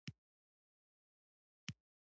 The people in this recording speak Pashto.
پر هند باندې د روسانو یرغل نېږدې شوی دی.